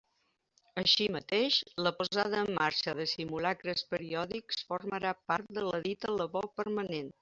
Així mateix, la posada en marxa de simulacres periòdics formarà part de la dita labor permanent.